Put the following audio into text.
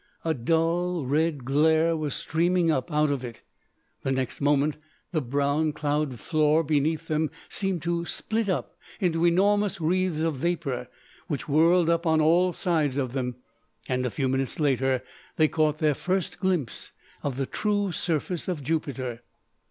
A dull, red glare was streaming up out of it. The next moment the brown cloud floor beneath them seemed to split up into enormous wreaths of vapour, which whirled up on all sides of them, and a few minutes later they caught their first glimpse of the true surface of Jupiter.